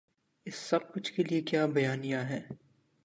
اس سب کچھ کے لیے کیا بیانیہ ہے۔